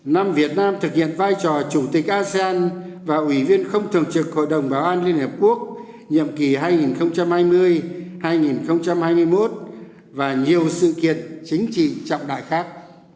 năm việt nam thực hiện vai trò chủ tịch asean và ủy viên không thường trực hội đồng bảo an liên hợp quốc nhiệm kỳ hai nghìn hai mươi hai nghìn hai mươi một và nhiều sự kiện chính trị trọng đại khác